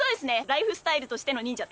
ライフスタイルとしての忍者？